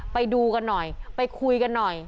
ไปดูกันหน่อยไปคุยกันหน่อย